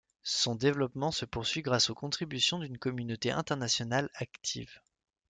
Son développement se poursuit grâce aux contributions d'une communauté internationale active.